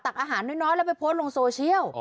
อาหารน้อยแล้วไปโพสต์ลงโซเชียล